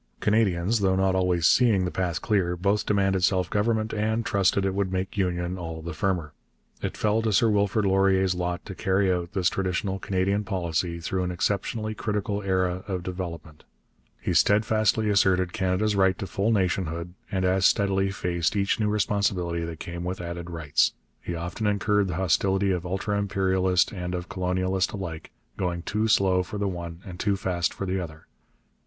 Canadians, though not always seeing the path clear, both demanded self government and trusted it would make union all the firmer. It fell to Sir Wilfrid Laurier's lot to carry out this traditional Canadian policy through an exceptionally critical era of development. He steadfastly asserted Canada's right to full nationhood, and as steadily faced each new responsibility that came with added rights. He often incurred the hostility of ultra imperialist and of colonialist alike, going too slow for the one and too fast for the other.